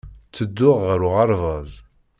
Ttedduɣ ɣer uɣerbaz.